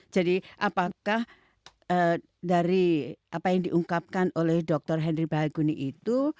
jadi apakah dari apa yang diungkapkan oleh dr henry bahaguni itu